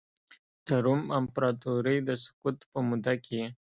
د روم امپراتورۍ د سقوط په موده کې.